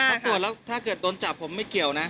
ถ้าตรวจแล้วถ้าเกิดโดนจับผมไม่เกี่ยวนะ